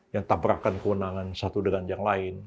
yang tabrakan kewenangan satu dengan yang lain